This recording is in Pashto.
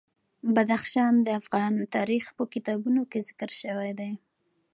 بدخشان د افغان تاریخ په کتابونو کې ذکر شوی دي.